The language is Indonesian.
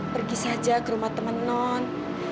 pergi saja ke rumah teman non